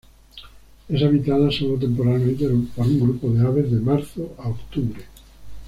Es habitada sólo temporalmente por un grupo de aves de marzo a octubre.